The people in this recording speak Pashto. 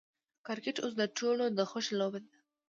کرکټ اوس د ټولو د خوښې لوبه ده.